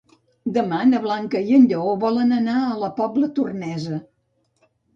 Demà na Blanca i en Lleó volen anar a la Pobla Tornesa.